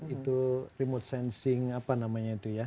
itu remote sensing apa namanya itu ya